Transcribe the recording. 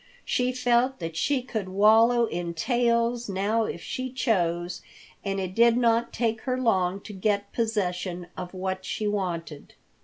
She felt that she could wallow in tails now if she chose, and it did not take her long to get possession of what she wanted.